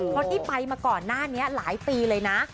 เพราะที่ไปมาก่อนหน้านี้หลายปีเลยนะ